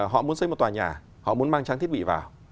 họ muốn xây một tòa nhà họ muốn mang trang thiết bị vào